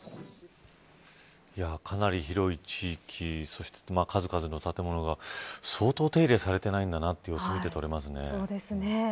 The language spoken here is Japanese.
かなり広い地域そして、数々の建物が相当手入れされていないんだなということが見て取れますね。